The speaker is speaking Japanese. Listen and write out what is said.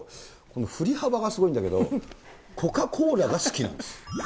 ふり幅がすごいんだけど、コカ・コーラが好きなんです。